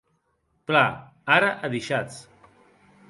Plan, ara adishatz.